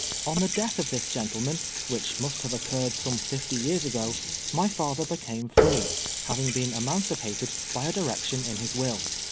On the death of this gentleman, wdiicli must have occur red some fifty years ago, my father became free, hav ing been emancipated by a direction in his will.